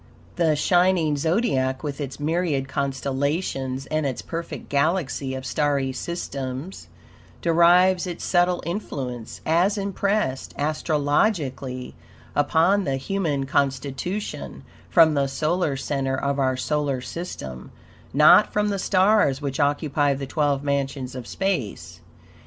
The shining Zodiac, with its myriad constellations and its perfect galaxy of starry systems, derives its subtle influence, as impressed astrologically upon the human constitution, from the solar center of our solar system, NOT FROM THE STARS which occupy the twelve mansions of space.